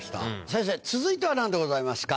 先生続いては何でございますか？